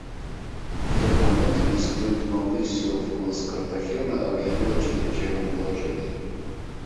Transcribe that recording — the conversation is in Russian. В тот момент президент Маурисио Фунес Картахена объявил о чрезвычайном положении.